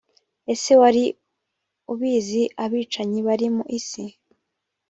ese wari ubizi abicanyi bari mu isi